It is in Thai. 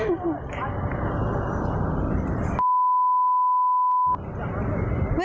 ลงเร็ว